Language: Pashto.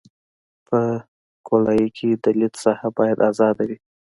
په ګولایي کې د لید ساحه باید ازاده وي